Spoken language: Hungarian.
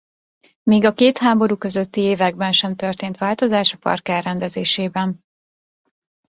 Még a két háború közötti években sem történt változás a park elrendezésében.